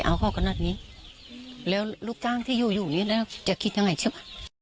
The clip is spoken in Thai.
อ่าเดี๋ยวฟังป้าแล้วกันนะครับ